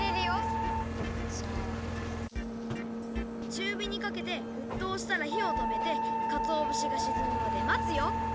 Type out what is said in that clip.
ちゅうびにかけてふっとうしたらひをとめてかつおぶしがしずむまでまつよ！